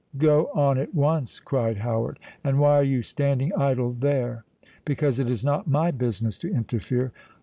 "Go on at once," cried Howard. "And why are you standing idle there?" "Because it is not my business to interfere."